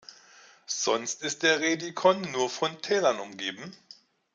Sonst ist der Rätikon nur von Tälern umgeben.